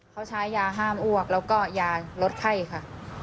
เขาใช้ยาห้ามอ้วกแล้วก็ยาลดไข้ค่ะ